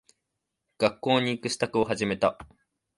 学校に行く支度を始めた。